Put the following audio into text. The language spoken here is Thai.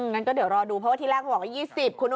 งั้นก็เดี๋ยวรอดูเพราะว่าที่แรกเขาบอกว่า๒๐คุณ